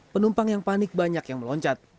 penumpang yang panik banyak yang meloncat